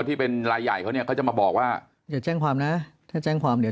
พี่เป็นรายใหญ่เขาเนี่ยก็จะมาบอกว่าอย่าแจ้งความแนะแล้ว